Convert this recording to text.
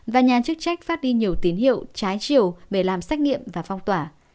và nhà chức trách phát đi nhiều tín hiệu trái chiều để làm xét nghiệm và phong tỏa